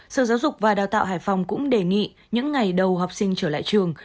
sở giáo dục và đào tạo hải phòng cũng đề nghị những ngày đầu học sinh trở lại trường